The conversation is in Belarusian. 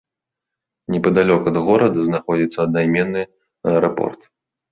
Непадалёк ад горада знаходзіцца аднайменны аэрапорт.